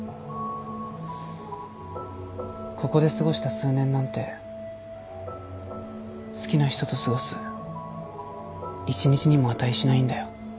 ここで過ごした数年なんて好きな人と過ごす１日にも値しないんだよ。